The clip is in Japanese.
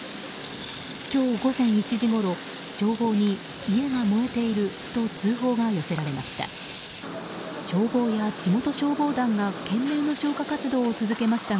今日午前１時ごろ消防に家が燃えていると通報が寄せられました。